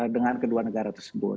dengan kedua negara